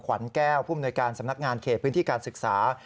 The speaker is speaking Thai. ขวัญแก้วผู้มนวยการสำนักงานเขตพื้นที่การศึกษา